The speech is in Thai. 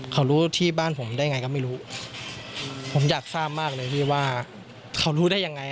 เขารู้ที่บ้านผมได้ไงก็ไม่รู้ผมอยากทราบมากเลยพี่ว่าเขารู้ได้ยังไง